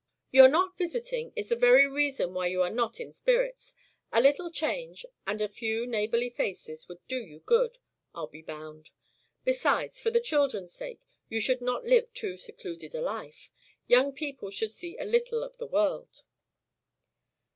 "Your not visiting is the very reason why you are not in spirits. A little change, and a few neighborly faces, would do you good, I'll be bound. Besides, for the children's sake you should not live too secluded a life. Young people should see a little of the world."